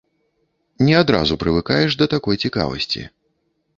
Не адразу прывыкаеш да такой цікавасці.